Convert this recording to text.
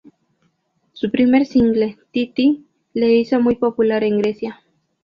Su primer single, "Ti Ti", le hizo muy popular en Grecia.